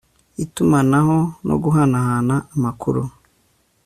itumanaho no guhanana amakuru